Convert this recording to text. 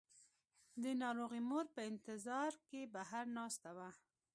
د ناروغې مور په انتظار کې بهر ناسته وه.